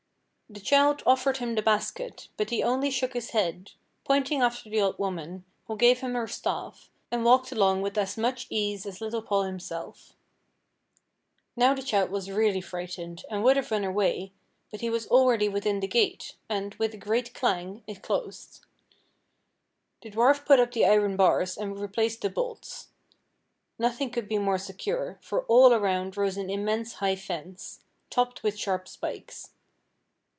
The child offered him the basket, but he only shook his head, pointing after the old woman, who gave him her staff, and walked along with as much ease as little Paul himself. Now the child was really frightened, and would have run away, but he was already within the gate, and, with a great clang, it closed. The dwarf put up the iron bars, and replaced the bolts. Nothing could be more secure, for all around rose an immense high fence, topped with sharp spikes.